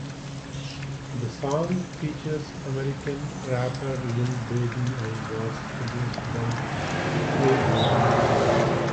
The song features American rapper Lil Baby and was produced by Quay Global.